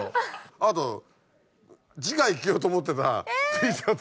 あと次回着ようと思ってたＴシャツ。